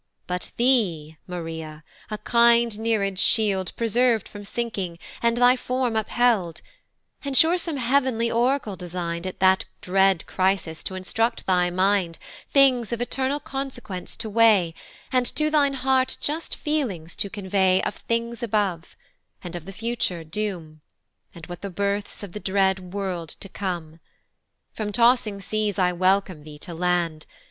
But thee, Maria, a kind Nereid's shield Preserv'd from sinking, and thy form upheld: And sure some heav'nly oracle design'd At that dread crisis to instruct thy mind Things of eternal consequence to weigh, And to thine heart just feelings to convey Of things above, and of the future doom, And what the births of the dread world to come. From tossing seas I welcome thee to land.